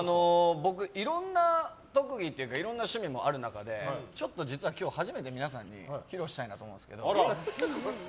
僕、いろんな特技というかいろんな趣味もある中で実は今日初めて皆さんに披露したいと思うんですけど。